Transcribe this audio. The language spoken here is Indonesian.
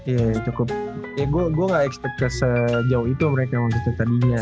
ya gue gak expect sejauh itu mereka maksudnya tadinya